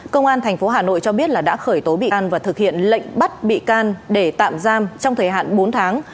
công an thành phố hà nội cho biết đã khởi tố bị can và thực hiện lệnh bắt bị can để tạm giam trong thời hạn bốn tháng